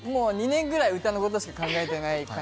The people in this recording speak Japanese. もう２年くらい歌のことしか考えてない。